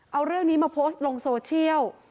เอาเรื่องนี้มาโพสต์ลงโซเชียล